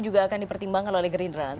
juga akan dipertimbangkan oleh gerindra